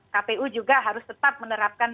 kpu juga harus tetap menerapkan